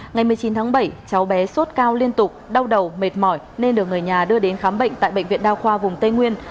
ngày một mươi chín tháng bảy cháu bé sốt cao liên tục đau đầu mệt mỏi nên được người nhà đưa đến khám bệnh tại bệnh viện đa khoa vùng tây nguyên